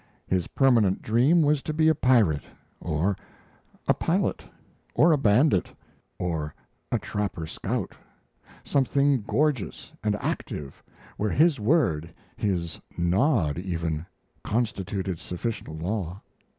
His permanent dream was to be a pirate, or a pilot, or a bandit, or a trapper scout; something gorgeous and active, where his word his nod, even constituted sufficient law.